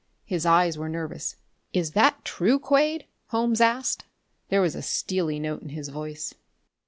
His eyes were nervous. "Is that true, Quade?" Holmes asked. There was a steely note in his voice.